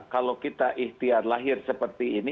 kalau kita ikhtiar lahir seperti ini